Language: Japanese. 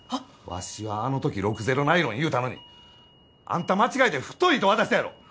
わしはあの時６‐０ナイロン言うたのにあんた間違えて太い糸渡したやろ？